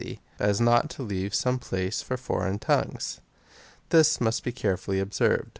437 as not to leave some place for foreign tongues. This must be carefully observed.